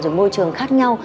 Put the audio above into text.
và môi trường khác nhau